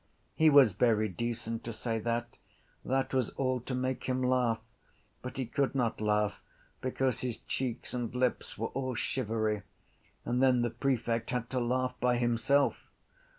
He was very decent to say that. That was all to make him laugh. But he could not laugh because his cheeks and lips were all shivery: and then the prefect had to laugh by himself.